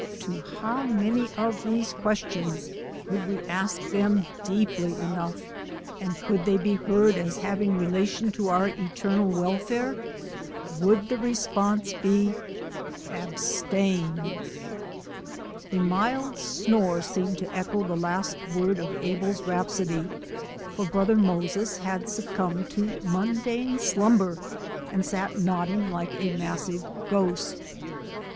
To how many of these ques tions — could we ask them deeply enough and Digitized by VjOOQ IC 156 BRONSON ALCOTT'S FRUITLANDS could they be heard as having relation to our eternal welfare — would the response be 'Ab stain'?" A mild snore seemed to echo the last word of Abel's rhapsody, for Brother Moses had suc cumbed to mundane slimiber and sat nodding like a massive ghost.